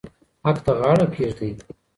حق ته غاړه کېږدئ.